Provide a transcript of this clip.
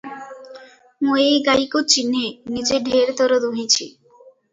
ମୁଁ ଏହି ଗାଈକୁ ଚିହ୍ନେ, ନିଜେ ଢ଼େର ଥର ଦୁହିଁଛି ।